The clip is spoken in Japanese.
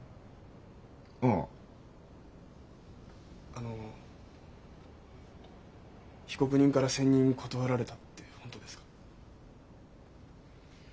あの被告人から専任を断られたって本当ですか？